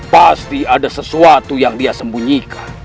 pasti ada sesuatu yang dia sembunyikan